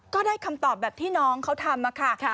ก็ได้คำตอบแบบที่น้องเขาทำมาค่ะ